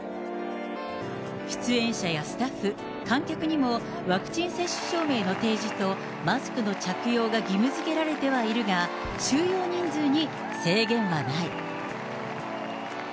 出演者やスタッフ、観客にも、ワクチン接種証明の提示と、マスクの着用が義務づけられてはいるが、収容人数に制限はない。